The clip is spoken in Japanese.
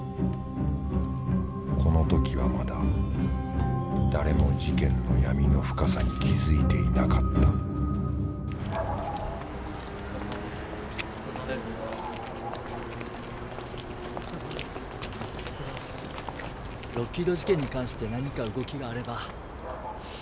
この時はまだ誰も事件の闇の深さに気付いていなかったロッキード事件に関して何か動きがあれば。